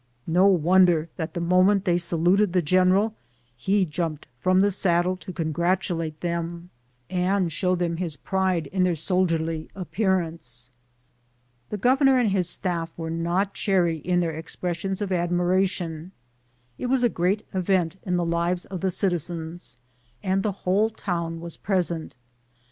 No wonder that the moment they saluted the general, he jumped from the saddle to congratulate them, and show them his pride in their soldierly ap pearance. The governor and his staff were not chary in their expressions of admiration. It was a great event in the lives of the citizens, and the whole town was present.